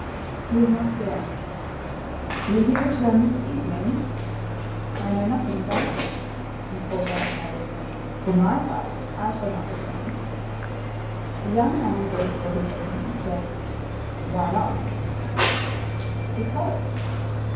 "He is not here." "Will he return this evening?" "I know nothing about it." And Courfeyrac added:— "For my part, I shall not return." The young man gazed steadily at him and said:— "Why not?" "Because."